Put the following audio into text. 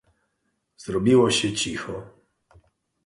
"Zrobiło się cicho."